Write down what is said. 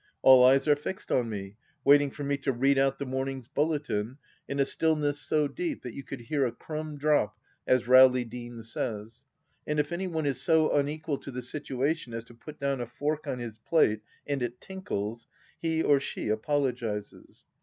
All eyes are fixed on me, waiting for me to read out the morning's bulletin, in a stillness so deep that you could hear a crumb drop, as Rowley Deane says ; and if any one is so unequal to the situa tion as to put down a fork on his plate, and it tinkles, he or she apologises.